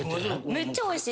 めっちゃおいしい。